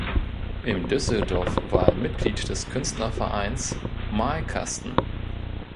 In Düsseldorf war er Mitglied des Künstlervereins "Malkasten".